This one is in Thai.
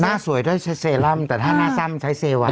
หน้าสวยด้วยใช้เซลัมแต่ถ้าหน้าน่าสั้นใช้เสวา